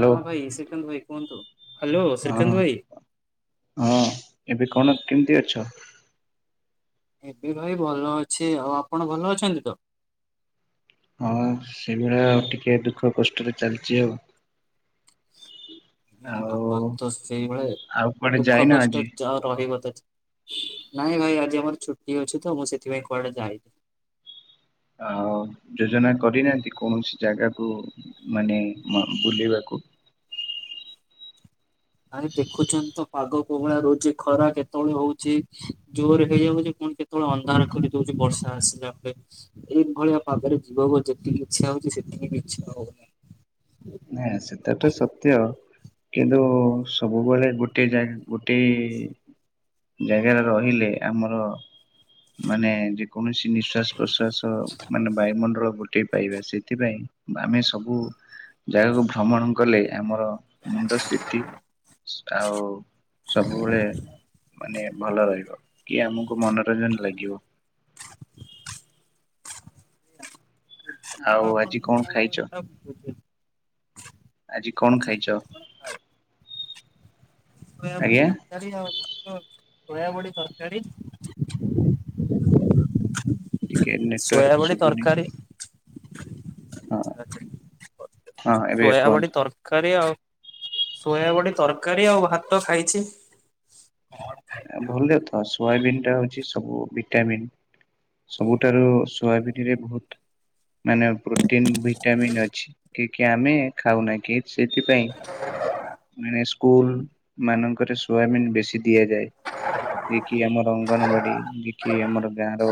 Hello ହଁ ଭାଇ ଶ୍ରୀକାନ୍ତ ଭାଇ କୁହନ୍ତୁ ହ୍ୟାଲୋ ହଁ ଶ୍ରୀକାନ୍ତ ଭାଇ। ହଁ ଏବେ କଣ କେମିତି ଅଛ? ଏବେ ଭାଇ ଭଲ ଅଛି ଆଉ ଆପଣ ଭଲ ଅଛନ୍ତି ତ? ହଁ ସେଭଳିଆ ଟିକେ ଦୁଃଖ କଷ୍ଟରେ ଚାଲିଛି ଆଉ। [unintelligible] ଆଜ୍ଞା ଆଉ ମନ ତ ସେଇଭଳିଆ ଆଉ କୁଆଡେ ଦୁଃଖ ଯାଇନା କଷ୍ଟ ଆଜି? ଆଉ ରହିବ ତ ନାଇଁ ଭାଇ ଆଜି ଆମର ଛୁଟି ଅଛି ତ ମୁଁ ସେଥିପାଇଁ କୁଆଡେ ଯାଇନି। ଆ ଯୋଜନା କରିନାହାନ୍ତି। କୌଣସି ଜାଗାକୁ ମାନେ ବୁଲିବାକୁ? [unintelligible] ଆରେ ଦେଖୁଛନ୍ତି ତ ପାଗ କୋଉଁ ଭଳିଆ ରହୁଛି। ଖରା କେତେବେଳେ ହଉଛି ଜୋର ହେଇଯାଉଛି? କେତେବେଳେ ଅନ୍ଧାର କରି ଦଉଛି ବର୍ଷା ଆସିଲା ପରେ ଏଇଭଳିଆ ପାଗରେ ଯିବାକୁ ଯେତିକି ଇଛା ହଉଛି ସେତିକି ବି ଇଛା ହଉନି। ନାଁ ସେତେ ଟା ସତ୍ୟ କିନ୍ତୁ ସବୁବେଳେ ଗୋଟେ ଯାଇ ଗୋଟେ ଜାଗାରେ ରହିଲେ ଆମର ମାନେ ଯେକୌଣସି ନିଶ୍ଵାସ ପ୍ରଶ୍ୱାସ ମାନେ ବାୟୁମଣ୍ଡଳ ଗୋଟିଏ ପାଇବା ସେଥିପାଇଁ ଆମେ ସବୁ ଜାଗାକୁ ଭ୍ରମଣ କଲେ ଆମର ମୁଣ୍ଡ ସ୍ଥିତି ଆଉ ସବୁବେଳେ ମାନେ ଭଲ ରହିବ କିଏ ଆମକୁ ମନୋରଞ୍ଜନ ଲାଗିବ ହ [unintelligible] ଏ ଆଉ ତ ଆଜି ଆପଣ କଣ ଯୋଉ ଖାଇଛ? କହୁଛନ [inaudible] ଆଜି କଣ ଖାଇଚ? ସୋୟାବିନ ତରକାରୀ ଆଉ ଭାତ। ସୋୟାବଡ଼ି ତରକାରୀ ଟିକେ ନେଟୱାର୍କ ସୋୟାବଡ଼ି ଶୁଭୁନି। ତରକାରୀ ହଁ ହଁ ଏବେ ସୋୟାବଡ଼ି କୁହନ୍ତୁ ତରକାରୀ ଆଉ ସୋୟାବଡି ତରକାରୀ ଆଉ ଭାତ ଖାଇଛି। ଆ ଭଲ ତ ସୋୟାବିନ ଟା ହଉ ଚି ସବୁ ଭିଟାମିନ ସବୁଠାରୁ ସୋୟାସବିନରେ ବହୁତ ମାନେ ପ୍ରୋଟିନ ଭିଟାମିନ୍ ଅଛି କି କି ଆମେ ଖାଉନା କି ସେଥିପାଇଁ ମାନେ ସ୍କୁଲ ମାନଙ୍କରେ ସୋୟାବିନ୍ ବେଶୀ ଦିଆଯାଏ। ଯିଏ କିି ଆମର ଅଙ୍ଗନବାଡି ଯିଏ କିି ଆମର ଗାଁ ର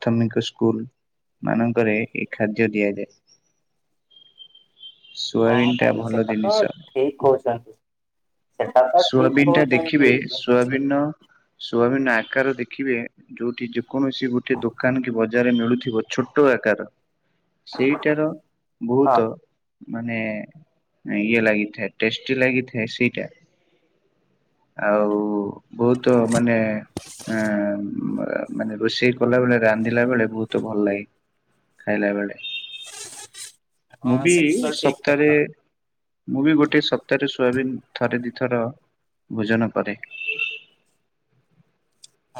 ପ୍ରାଥମିକ ସ୍କୁଲ ମାନଙ୍କରେ ଏହି ଖାଦ୍ୟ ଦିଆଯାଏ। ହଁ ସୋୟାବିନ୍ ଟା ଭାଇ ଭଲ ସେଟା ତ ଜିନିଷ ଠିକ କହୁଛନ୍ତି। ସେଟା ତ ଠିକ ସୋୟାବିନ ଟା କହୁଛନ୍ତି। ଦେଖିବେ ସୋୟାବିନ ସୋୟାବିନର ଆକାର ଦେଖିବେ ଯୋଉଠି ଯେକୌଣସି ଗୋଟେ ଦୋକାନ କି ବଜା ଜାଗାରେ ମିଳୁଥିବ ଛୋଟ ଆକାର ସେଇଟାର ହଁ। ବହୁତ ମାନେ ଇଏ ଲାଗିଥାଏ ଟେଷ୍ଟି ଲାଗିଥାଏ ସେଇଟା। ଆଉ ବହୁତ ମାନେ ଆଁ ମାନେ ରୋଷେଇ କଲା ବେଳେ ରାନ୍ଧିଲା ବେଳେ ବହୁତ ଭଲ ଲାଗେ। ଖାଇଲାବେଳେ ମୁଁ ହଁ ବି ସେଟା ତ ଠିକ ସପ୍ତାହରେ କଥା ମୁଁ ବି ଗୋଟେ ସପ୍ତାହରେ ସୋୟାବିନ ଥରେ ଦିଥ ଥର ଭୋଜନ କରେ।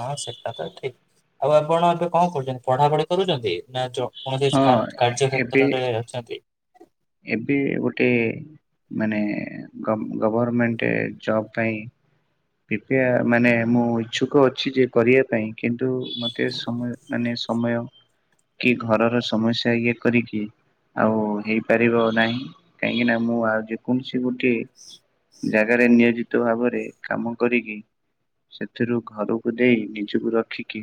ହଁ ସେଟା ତ ଠିକ ଆଉ ଆପଣ ଏବେ କଣ କରୁଛନ୍ତି ପଢାପଢି କରୁଛନ୍ତି ନା ଜବ? ହଁ କୌଣସି କାର୍ଯ୍ୟ ଏବେ କ୍ଷେତ୍ରରେ ଅଛନ୍ତି? ଏବେ ଗୋଟେ ମାନେ ଗଭ ଗଭରର୍ମେଣ୍ଟ ଜବ ପାଇଁ ଏବେ ମାନେ ମୁଁ ଇଚ୍ଛୁକ ଅଛି ଯେ କରିବା ପାଇଁ କିନ୍ତୁ ରୁ ମତେ ସମୟ ମାନେ ସମୟ କି ଘରର ସମସ୍ୟା ଇଏ କରିକି ଆଉ ହେଇ ପାରିବ ନାହିଁ କାହିଁକିନା ମୁଁ ଆଉ ଯେକୌଣସି ଗୋଟଏ ଜାଗାରେ ନିୟୋଜିତ ଭାବରେ କାମ କରିକି ସେଥିରୁ ଘରକୁ ଦେଇ ନିଜକୁ ରଖିକି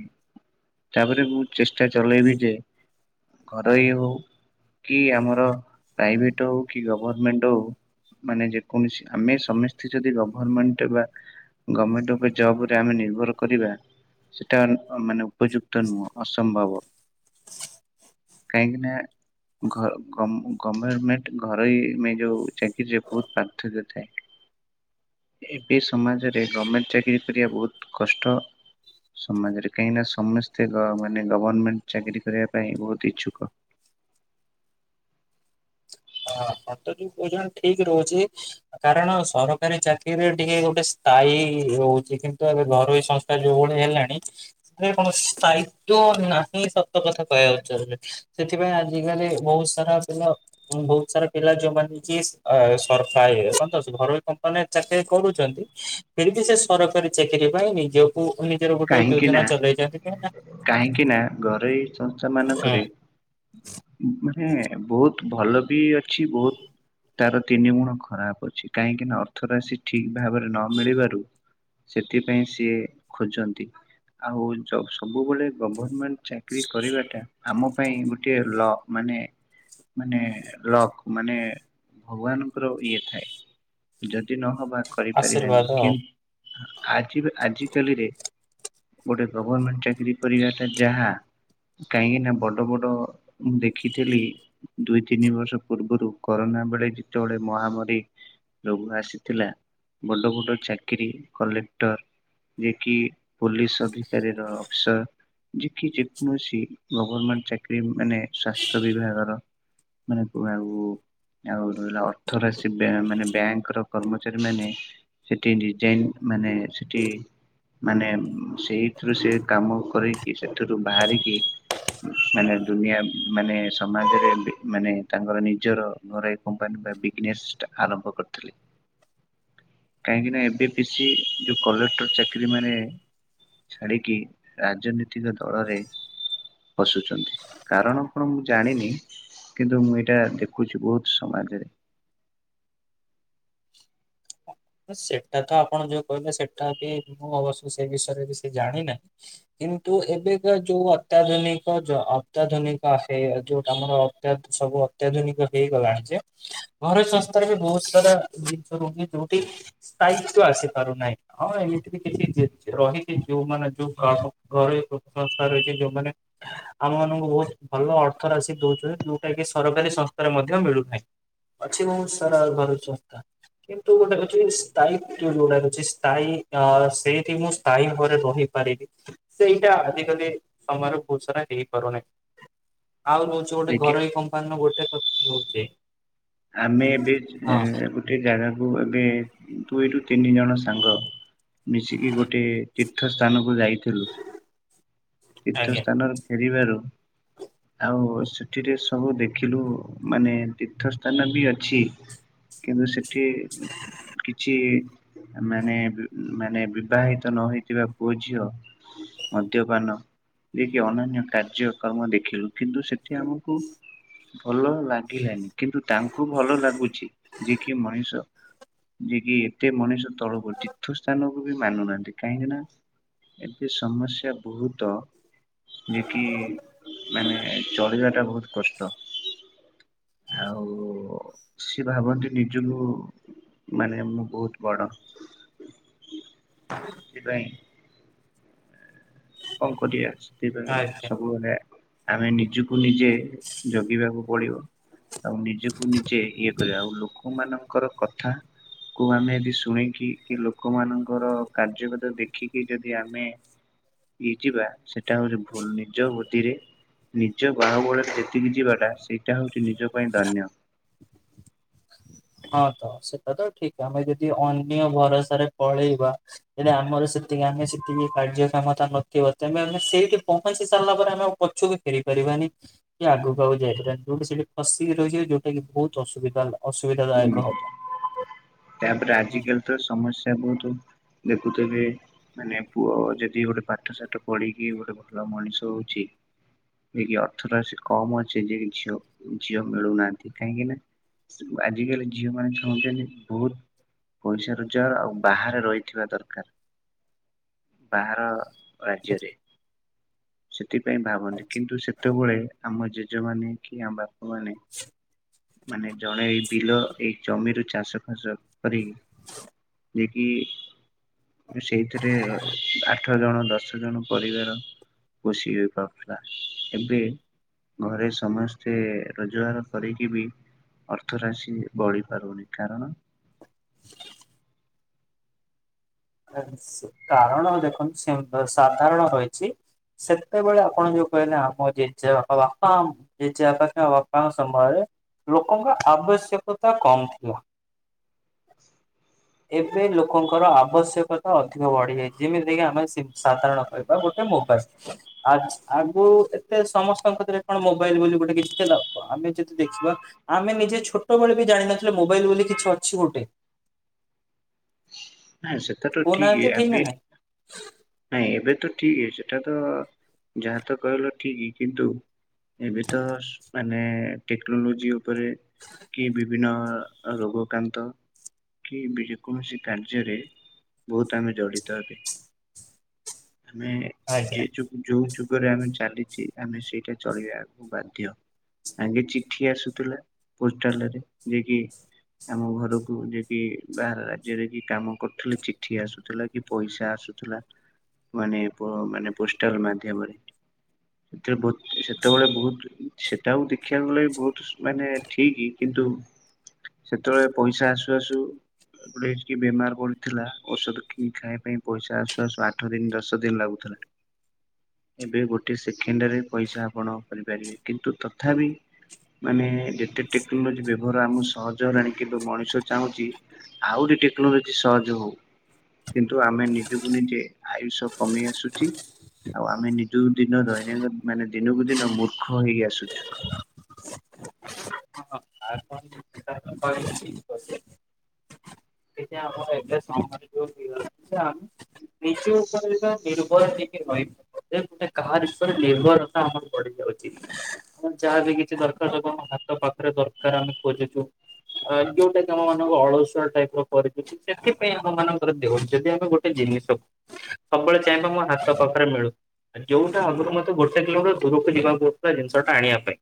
ତାପରେ ମୁଁ ଚେଷ୍ଟା ଚଲେଇବି ଯେ ଘରୋଇ ହଉ କି ଆମର ପ୍ରାଇଭେଟ ହଉ କି ଗଭରର୍ମେଣ୍ଟ ହଉ ମାନେ ଯେକୌଣସି ଆମେ ସମସ୍ତେ ଯଦି ଗଭରର୍ମେଣ୍ଟ ବା ଗମେଣ୍ଟ ଉପରେ ଜବ ରେ ଆମେ ନିର୍ଭର କରିବା ସେଟା ମାନେ ଉପଯୁକ୍ତ ନୁହେଁ ଅସମ୍ଭବ। କାହିଁକିନା ଘ ଗ ଗବେରମେଣ୍ଟ ଘରୋଇ ଯୋଉ ଚାକିରିରେ ବହୁତ ପାର୍ଥକ୍ୟ ଥାଏ। ଏବେ ସମାଜରେ ଗମେଣ୍ଟ ଚାକିରିୀ କରିବା ବହୁତ କଷ୍ଟ। ସମାଜରେ କାହିଁକି ନା ସମସ୍ତେ ମାନେ ଗଭର୍ଣମେଣ୍ଟ ଚାକିରୀ କରିବା ପାଇଁ ବହୁତ ଇଚ୍ଛୁକ। [inaudible] ହ ସତ ଯଉ କହୁଛ ଠିକ ରହୁଛି। କାରଣ ସରକାରୀ ଚାକିରିରେ ଟିକେ ଗୋଟେ ସ୍ଥାୟୀ ରହୁଛି। କିନ୍ତୁ ଏବେ ଘରୋଇ ସଂସ୍ଥା ଯୋଉ ଭଳି ହେଲାଣି ସେ କଣ ସ୍ଥାୟିତ୍ଵ ନାହିଁ ସତ କଥା କହିବାକୁ ଗଲେ। ସେଥିପାଇଁ ଆଜିକାଲି ବହୁତ ସାରା ପିଲା ବହୁତ ସାରା ପିଲା ଯୋଉମାନେ କି ଏ ସରଫାଇ ହ, ଘରୋଇ କମ୍ପାନୀ ରେ ଚାକିରି କରୁଛନ୍ତି। ଫିର୍ ବି ସେ ସରକାରୀ ଚାକିରି ପାଇଁ। ନିଜକୁ ନିଜର ଗୋଟେ କାହିଁକି ନା ଯୋଜନା ଚଲେଇଛନ୍ତି ଯେ କାହିଁକି ନା, ଘରୋଇ ସଂସ୍ଥା ମାନଙ୍କରେ ବହୁତ ଭଲ ବି ଅଛି। ବହୁତ ତାର ତିନି ଗୁଣ ଖରାପ ଅଛି। କାହିଁକି ନା ଅର୍ଥ ରାଶି ଠିକ ଭାବରେ ନ ମିଳିବାରୁ ସେଥିପାଇଁ ସିଏ ଖୋଜନ ନ୍ତି, ଆଉ ସବୁବେଳେ ଗଭର୍ଣ୍ଣମେଣ୍ଟ ଚାକିରି କରିବାଟା ଆମ ପାଇଁ ଗୋଟେ ଲ ମାନେ ମାନେ ଲକ୍ ମାନେ ଭଗବାନଙ୍କର ଇଏ ଥାଏ। ଯଦି ନହବା କରିପାରିବାନି। ଆଶୀର୍ବାଦ ଆଉ କିନ୍ତୁ ଆଜି ଆଜିକାଲିରେ ଗୋଟେ ଗଭର୍ଣମେଣ୍ଟ ଚାକିରୀ କରିବାଟା ଯାହା କାହିଁକି ନା ବଡ ବଡ ମୁଁ ଦେଖିଥିଲି। ଦୁଇ ତିନି ବର୍ଷ ପୂର୍ବରୁ କରୋନା ବେଳେ ଯେତେବେଳେ ମହାମାରୀ ରୋଗ ଆସିଥିଲା। ବଡ ବଡ ଚାକିରୀ କଲେକ୍ଟର ଯେ କି ପୋଲିସ ଅଧିକାରୀର ଅଫିସର। ଯେ କି ଯେକୌଣସି ଗଭର୍ମେଣ୍ଟ ଚାକିରୀ ମାନେ ସ୍ୱାସ୍ଥ୍ୟ ବିଭାଗର। ମାନେ କୁ ଆଉ ଆଉ ର ଅର୍ଥ ରାଶି ମାନ ବ୍ୟାମ ମାନେ ବ୍ୟାଙ୍କ ର କର୍ମଚାରୀ ମାନେ ସେଠି ଡିଜାଇନ୍ ମାନେ ସେଠି ମାନେ ସେଇଥିରୁ ସେ କାମ କରିକି। ସେଥିରୁ ବାହାରିକି ମାନେ ଦୁନିଆ ମାନେ ସମାଜରେ ମାନେ ତାଙ୍କର ନିଜର ଘରୋଇ କମ୍ପାନୀ ବା ବିଗ୍ନେସ୍ ଟା ଆରମ୍ଭ କରିଥିଲେ। କାହିଁକି ନା, ଏବେ ପି ସି ଯୋଉ କଲେଟର ଚାକିରି ମାନେ ଛାଡିକି ରାଜନୀତିକ ଦଳରେ ପସୁଛନ୍ତି, କାରଣ କଣ ମୁଁ ଜାଣିନି। କିନ୍ତୁ, ମୁଁ ଏଇଟା ଦେଖୁଛି ବହୁତ ସମାଜରେ। ସେଟା ତ ଆପଣ ଯୋଉ କହିଲେ। ସେଟା ବି ମୁଁ ଅବଶ୍ୟ ସେଇ ବିଷୟରେ ବେଶି ଜାଣିିନାହିଁ। କିନ୍ତୁ, ଏବେକା ଯୋଉ ଅତ୍ୟାଧୁନିକ ଯ ଅତ୍ୟାଧୁନିକ ହେ ଯୋଉଟା ଆମର ଅତ୍ୟାଧୁନି ସବୁ ଅତ୍ୟାଧୁନିକ ହେଇଗଲାଣି ଯେ, ଘର ସଂସ୍ଥାରେ ବି ବହୁତ ସାରା ରୋଗୀ ଯୋଉ [inaudible] ସ୍ଥାୟିତ୍ୱ ଆସିପାରୁନାହିଁ। ହଁ ଏମିତି ବି କିଛି ବି ରହିଛି ଯୋଉମାନେ ଯୋଉ ଆମ ଘରେ ସଂସ୍ଥା ରହିଛି। ଯୋଉମାନେ ଆମ ମାନଙ୍କୁ ବହୁତ ଭଲ ଅର୍ଥ ରାଶି ଦଉଛନ୍ତି। ଯୋଉଟା କି ସରକାରୀ ସଂସ୍ଥାରେ ମଧ୍ୟ ମିଳୁନାହିଁ। ଅଛି ବହୁତ ସାରା ଆଉ ଘରୋଇ ସଂସ୍ଥା କି ନ୍ତୁ, ଗୋଟେ ହଉଛି ସ୍ଥାୟୀ ଯୋଉଟା ହଉଛି ସ୍ଥାୟୀ ଅ ସେଇଠି ମୁଁ ସ୍ଥାୟୀ ଭାବରେ ରହିପାରିବି। ସେଇଟା ଆଜିକାଲି ସମୟର ବହୁତ୍ ସରା ହେଇପାରୁନାହିଁ। [inaudible] ଆଉ ରହୁଛି ଗୋଟେ ଦେଖେ ଘରୋଇ କମ୍ପାନୀର ଗୋଟେ କଥା ରହୁଛି। ଆମେ ଏବେ ଏ ହଁ ଗୋଟେ ଜାଗାକୁ କୁ, ଗଲେ ଦୁଇରୁୁ ତିନି ଜଣ ସାଙ୍ଗ। ମିଶିକି ଗୋଟେ ତୀର୍ଥ ସ୍ଥାନକୁ ଯାଇ ଥିଲୁ ତୀର୍ଥ ଆଜ୍ଞା ସ୍ଥାନରେ ଫେରିବାରୁ ଓ ସେଥିରେ ସବୁ ଦେଖିଲୁ ମାନେ ତୀର୍ଥ ସ୍ଥାନ ବି ଅଛି। କିନ୍ତୁ, ସେଠି କିଛି ମାନେ ବି ମାନେ ବିବାହିତ ନହଇଥିବା ପୁଅ ଝିଅ ମଦ୍ୟପାନ ଯେକି ଅନନ୍ୟ କାର୍ଯ୍ୟ କର୍ମ ଦେଖିଲୁ। କିନ୍ତୁ ସେଠି ଆମକୁ ଭଲ ଲାଗିଲାନି। କିନ୍ତୁ ତାଙ୍କୁ ଭଲ ଲାଗୁଛି ଯିଏ କି ମଣିଷ ଯେ କି ଏତେ ମଣିଷ ତଳକୁ ତୀର୍ଥ ସ୍ଥାନକୁ ବି ମାନୁନାହାନ୍ତି କାହିଁକି ନା ଏବେ ସମସ୍ୟା ବହୁତ ଯେକି ମାନେ ଚଳିବା ଟା ବହୁତ କଷ୍ଟ ଆଉ ସିଏ ଭାବନ୍ତି ନିଜକୁ ମାନେ ମୁଁ ବହୁତ ବଡ ସେଥିପାଇଁ ଅଙ୍କ ଦିଏ ସେଥିପାଇଁ ଆଜ୍ଞା। ସବୁବେଳେ ଆମେ ନିଜକୁ ନିଜେ ଜଗିବାକୁ ପଡିବ। ଆଉ ନିଜକୁ ନିଜେ ଇଏ କରିବା ଆଉ ଲୋକମାନଙ୍କର କଥା କୁ ଆମେ ଯଦି ଶୁଣିକି କି ଲୋକମାନଙ୍କର କାର୍ଯ୍ୟଗତ ଦେଖିକି ଯଦି ଆମେ ହେଇ ଯିବା ସେଟା ହଉଛି ଭୁଲ ନିଜ ବ ରାତିରେ ନିଜ ବାହାବଳରେ ଯେତିକି ଯିବାଟା ସେଇଟା ହେଉଛି, ନିଜ ପାଇଁ ଦନ୍ୟ ହଁ ତ ସେଟା ତ ଠିକ ଆମେ ଯଦି ଅନ୍ୟ ଭରସାରେ ପଳେଇବା ଯଦି ଆମର ସେ ଯେତିକି ଆମେ ସେତିକି କାର୍ଯ୍ୟକ୍ଷମତା ନଥିବ, ତେ ଆମେ ସେଇଠି ପହଞ୍ଚି ସାରିଲା ପରେ ଆମେ ପଛକୁ ଫେରି ପାରିବା ନି, ଆଗକୁ ଯାଇପାରି ଯୋଉା ସେଠି ପିକି ରହିିବ ଯୋଉଟା କି ବହୁ ଅସୁବିଧା ଅସୁବିଧା ଦାୟକ ହୁଁ ହବ। ତାପ ଆଜି ହୁଁ। କାଲି ତ ସମସ୍ୟା ବହୁତ ଦେଖୁଥିବେ ମାନେ ପୁଅ ଯଦି ଗୋଟେ, ପାଠ ସାଠ ପଢିକି ଗୋଟେ ଭଲ ମଣିଷ ହଉଛି ଯକି ଅର୍ଥଟା ସେ କମ ଅଛି, ଯକ ଝିଅ ଝିଅ ମିଳୁନାହାନ୍ତି କାହିଁକି ନା ଆଜିକାଲି ଝିଅ ମାନେ ଚାହୁଁଛନ୍ତି ବହୁତ ପଇସା ରୋଜଗାର ଆଉ ବାହାରେ ରହିଥିବା ଦରକାର ବାହାର ରାଜ୍ୟରେ ସେଥିପାଇଁ ଭାବନ୍ତି, କିନ୍ତୁ ସେତେବେଳେ ଆମ ରାଜମାନେ କି ଆମ ବାପାମାନେ ମାନେ ଜଣେ ଏଇ ବିଲ ଏଇ ଜମିରୁ ଚାଷ ଫସ କରିକି ଯେକି ସେଇଥିରେ ଆଠ ଜଣ ଦଶ ଜଣ ପରିବାର ବସିିପଥିଲା ଏବେ ଘରେ ସମସ୍ତେ ରୋଜଗାର କରି ବି ଅର୍ଥ ରାଶି ବଢି ପାରୁନି କାରଣ କାରଣ ଦେଖନ୍ତୁ ସାଧାରଣ ରଇଛି ସେତେବେଳେ ଆପଣ ଯୋଉ କହିଲେ, ଆମ ଜେଜେ ବା ଜେଜେ ଆକା ବାପାଙ୍କ ସମୟରେ ଲୋକଙ୍କ ଆବଶ୍ୟକତା କମ୍ ଥିଲା ଏବେ ଲୋକଙ୍କର ଆବଶ୍ୟକତା ଅଧିକ ବଢିଯାଏ, ଯେମିତି କିି ଆମେ ସାଧାରଣ କହିବା ଗୋଟେ ମୋବଲ ଆ ଆଗୁ ଏତେ ସମସ୍ତଙ୍କରେ, କଣ ମୋବାଇଲ ବୋଲି ଗୋଟେ କିଛି ଥିଲା ଆମେ ଯଦି ଦେଖିବା ଆମେ ନିଜେ ଛୋଟବେଳେ ବି ଜାଣିିନଥିଲେ ମୋବାଇଲ ବୋଲି କିଛି ଅଛି ଗୋଟେ ନାଇଁ ସେତ ତ ଠିକ କହୁନାହାନ୍ତି ନା ଆମ ନାଇଁ? ନାଇଁ ଏବେ ତ ଠିକ ସେଟା ତ ଯାହା ତ କହିଲ ଠିକ କିନ୍ତୁ ଏବେ ତ ମାନେ ଟେକ୍ନୋଲୋଜି ଉପରେ କି ବିଭିନ୍ନ ରୋଗ କାନ୍ତ କି ଯେକୌଣସି କା ରେ ବହୁତ ଆମେ ଜଡ଼ିତ ହେବେ ଆମେ ଆଜ୍ଞା। ଯେ ଚ ଯଉଛୁ ଦରେ ଆମେ ଚାଲିଛି ଆମେ ସେଇଟା ଚଳିବାକୁ ବାଧ୍ୟ ଆଗେ ଚିଠି ଆସୁଥିଲା ପୋଲରେ ଯଏ କି ଆମ ଘରକୁ ଯକି ବାହାର ରାଜ୍ୟରେ କି କାମ କରୁଥିଲେ, ଚିଠି ଆସୁଥିଲା କି ପଇସା ଆସୁଥିଲା ମାନେ ମାନେ ପୋଷ୍ଟଲ ମାଧ୍ୟମରେ ସେ ବହୁତ ସେତେବେଳେ ବହୁତ ସେଟାକୁ ଦେଖିବାକୁଲେ, ବି ବହୁତ ମାନେ ଠିକ କି ନ୍ତୁ ସେତେବେଳେ ପଇସା ଆସୁ ଆସୁ ଗୋଟେ ବେମାର ପଡିଥିଲା ଔଷଧ କିଣି ଖାଇବା ପାଇଁ, ପଇସା ଆସୁ ଆସୁ ଆଠ ଦିନ ଦଶ ଦିନ ଲାଗୁଥିଲା ହ ଏବେ ଗୋଟେ ସେକେଣ୍ଡରେ ପଇସା ଆପଣ କରିପାରିବେ, କିନ୍ତୁ ତଥାପି ମାନେ ଯେତେ ଟେକ୍ନୋଲୋଜି ବ୍ୟବହାର ଆମକୁ ସହଜ ହେଲାଣି, କିନ୍ତୁ ମଣିଷ ଚାହୁଁଛି ଆଉରି ଟେକ୍ନୋଲୋଜି ସହଜ ହଉ, କିନ୍ତୁ ଆମେ ନିଜକୁ ନିଜେ ଆୟୁଷ କମୀ ଆସୁଛି ଆଉ ଆମେ ନିଜକୁ ଦିନ ଦୈନନ୍ଦ ମାନେ ଦିନକୁ ଦିନ ମୂର୍ଖ ହେଇ ଆସୁଛୁ। [unintelligible] [unintelligible] ସେଇଟା ଆମର ଏବେ ସମ୍ବଲପୁର ଥିଲା, ସେ କୃଷି ଉପରେ ଏକ ନିର୍ଭର [inaudible] କେ ରହେ ଏ ଗୋଟେ କାହା ବିଷୟରେ ନିର୍ଭରତା ଆମ ଉପରେ ରହିଛି, ଆଉ ଯାହା ବିି କିଛି ଦର କେତେବେଳେ କ'ଣ ହାତ ପାଖରେ ଦରକାର ଆମେ ଖୋଜୁଛୁ। [unintelligible] ଅ ଯୋଉଟା କି ଆମ ମାନଙ୍କ ଅଳସୁଆ ଟାଇପ ର କରିଦଉଛି, ସେଥିପାଇଁ ଆମ ମାନଙ୍କର ଦେହ ବି ଯଦି ଆମେ ଗୋଟେ ଜିନିଷ ସବୁ ସବୁବେଳେ ଚାହିଁବା ମୋ ହାତ ପାଖରେ ମିଳୁ। ଆଉ ଯୋଉଟା ଆଗରୁ ମତେ ଗୋଟେ କିଲୋରୁ ଦୂରକୁ ଯିବାକୁ ପଡୁଥିଲା ଜିନିଷଟା ଆଣିବା ପାଇଁ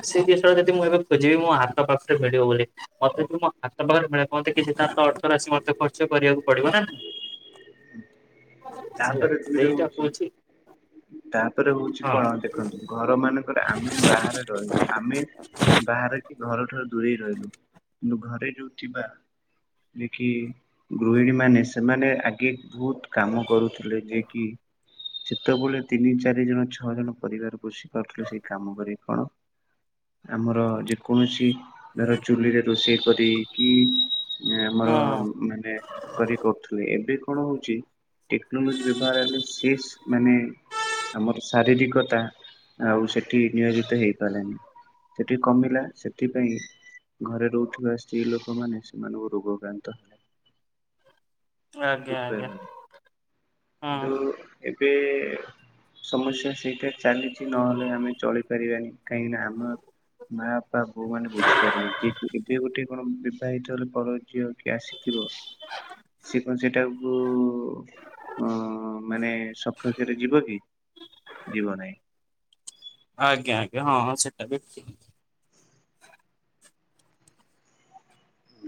ଆସି [inaudible] ଯଦି ମୁଁ ଏବେ ଖୋଜିବି ମୋ ହାତ ପା ରେ ମିଳିବ ବୋଲି, ମତେ ବି ମୋ ହାତ ପାଖରେ ମିଳେ କୁହନ୍ତି କି ସେ ତାର ତ ଅର୍ଥ ରାଶି ମତେ ଖର୍ଚ୍ଚ କରିବାକୁ ପଡିବ ନା ନାହିଁ। ହୁଁ, ହେଲା ତାପରେ ଦୁଇରେ ସେଇଟା ହଉଛି କହୁଛି ତାପରେ ହଉଛି ହଁ କଣ ଦେଖନ୍ତୁ ଘର ମାନଙ୍କରେ ଆମେ ବାହାରେ ରହିଲୁ, ଆମେ ବାହାର କି ଘରଠାରୁ ଦୂରେଇ ରହିଲୁ, କିନ୍ତୁ ଘରେ ଯୋଉଥିବା ଯେ କିି ଗୃହିଣୀ ମାନେ ସେମାନେ ଆଗେ ବହୁତ କାମ କରୁଥିଲେ, ଯିଏ କିି ଯେତେବେଳେ ତିନି ଚାରି ଜଣ ଛଅ ଜଣ ପରିବାର ପୋସି ପାରୁଥିଲେ ସେଇ କାମ କରି କଣ ଆମର ଯେକୌଣସି ଧର ଚୁଲିରେ ରୋଷେଇ କରିିକି। ଆମର ହଁ ମାନେ କରି କରୁଥିଲେ ଏବେ କଣ ହଉଛି ଟେକ୍ନୋଲୋଜି ବ୍ୟବହାର ହେଲେ ସେସ୍ ମାନେ ଆମର ଶାରୀରିକତା ଆଉ ସେଠି ନିୟୋଜିତ ହେଇପାରିଲାନି। ସେଠି କମିଲା ସେଥିପାଇଁ ଘରେ ରହୁଥିବା ସ୍ତ୍ରୀ ଲୋକମାନେ ସେମାନଙ୍କୁ ରୋଗକ୍ରାନ୍ତ ହେଲେ। ଆଜ୍ଞା ଆଜ୍ଞା ବୁଝିପାରିଲନି, ହଁ କିନ୍ତୁ ଏବେ ସମସ୍ୟା ସେଇଟା ଚାଲିଛି ନହେଲେ ଆମେ ଚଳିପାରିବାନି କାହିଁକି ନା ଆମ ମା ବାପା ବୋଉ ମାନ ବୁଝିପାରିବେ କି ଏବେ ଗୋଟେ କଣ ବିବାହିତ ହେଲେ ପର ଝିଅ କି ଆସିଥି ଥିବ‌ ସିଏ ହଁ, ସେଇଟାକୁ ଅ ମାନେ ସପକ୍ଷରେ ଯିବ କି? ଯିବନାହିଁ। ଆଜ୍ଞା, ଆଜ୍ଞା, ହଁ, ହଁ, ସେଟା ବି ଠିକ୍।